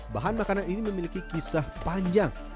bahan makanan ini memiliki kisah panjang